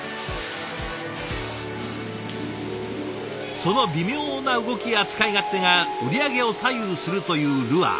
その微妙な動きや使い勝手が売り上げを左右するというルアー。